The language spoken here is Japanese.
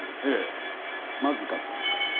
ええまずかったですか？